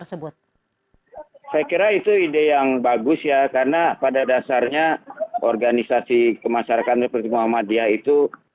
saya kira itu ide yang bagus ya karena pada dasarnya organisasi kemasyarakat seperti muhammadiyah itu